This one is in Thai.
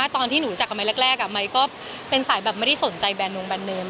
ตอนที่หนูจากกับไมค์แรกไม้ก็เป็นสายแบบไม่ได้สนใจแนนมแบรนเนม